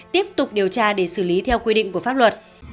tiếp tục điều tra để xử lý theo quy định của pháp luật